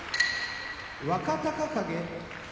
若隆景